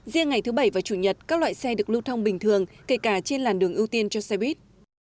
riêng ngày thứ bảy và chủ nhật các loại xe được lưu thông bình thường kể cả trên làn đường ưu tiên cho xe buýt